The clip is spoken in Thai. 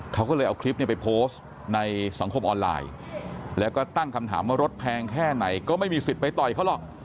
เขาก็เลยเอาคลิปเนี่ยไปโพสต์ในสังคมออนไลน์แล้วก็ตั้งคำถามว่ารถแพงแค่ไหนก็ไม่มีสิทธิ์ไปต่อยเขาหรอก